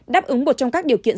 đáp ứng một trong các điều kiện